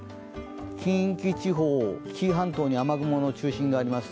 近畿地方、紀伊半島に雨雲の中心があります。